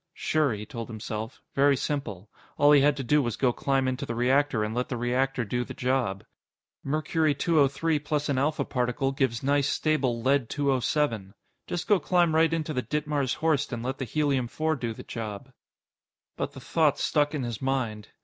Sure, he told himself. Very simple. All he had to do was go climb into the reactor, and let the reactor do the job. Mercury 203 plus an alpha particle gives nice, stable Lead 207. Just go climb right into the Ditmars Horst and let the Helium 4 do the job. But the thought stuck in his mind.